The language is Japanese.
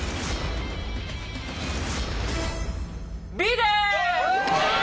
Ｂです！